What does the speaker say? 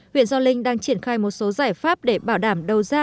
huyện gio linh đang triển khai một số giải pháp để bảo đảm đầu ra